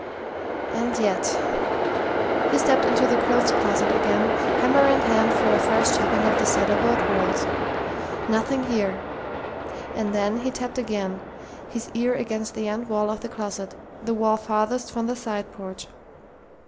And yet He stepped into the clothes closet again, hammer in hand for a fresh tapping of the cedar board walls. Nothing here.... And then he tapped again, his ear against the end wall of the closet the wall farthest from the side porch....